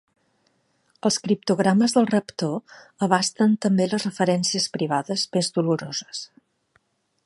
Els criptogrames del raptor abasten també les referències privades més doloroses.